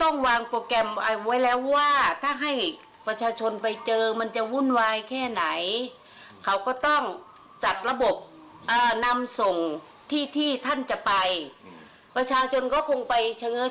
นั่นทำส่งที่ที่ท่านจะไปประชาชนก็คงไป